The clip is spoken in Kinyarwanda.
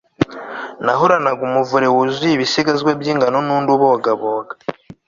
nahoranaga umuvure wuzuye ibisigazwa by'ingano n'undi ubogaboga